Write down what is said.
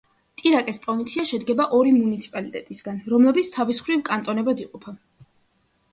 ტირაკეს პროვინცია შედგება ორი მუნიციპალიტეტისაგან, რომლებიც თავის მხრივ კანტონებად იყოფა.